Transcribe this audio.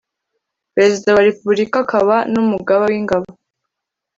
perezida wa repubulika akaba n umugaba wingaba